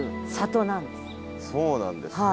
そうなんですね